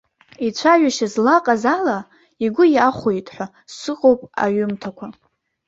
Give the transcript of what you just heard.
Ицәажәашьа злаҟаз ала, игәы иахәеит ҳәа сыҟоуп аҩымҭақәа.